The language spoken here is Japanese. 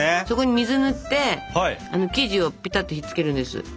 そこに水塗って生地をぴたっとひっつけるんです。